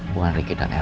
bu han ricky dan elsa